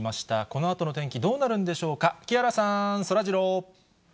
このあとの天気、どうなるんでしょうか、木原さん、そらジロー。